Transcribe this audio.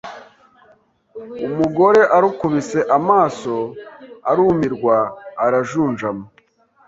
Umugore arukubise amaso arumirwa arajunjama